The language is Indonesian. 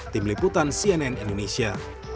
tim liputan cnn indonesia